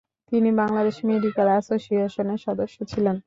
তিনি বাংলাদেশ মেডিকেল অ্যাসোসিয়েশনের সদস্য ছিলেন।